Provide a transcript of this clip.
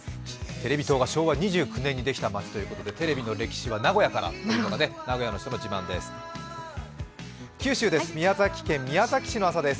テレビ塔は昭和２９年にできたということでテレビの歴史は名古屋からということで、名古の人の自慢です。